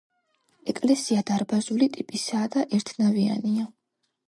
ეკლესია დარბაზული ტიპისაა და ერთნავიანია.